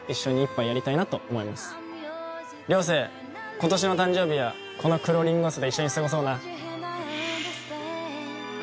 今年の誕生日はこの黒リンゴ酢で一緒に過ごそうな。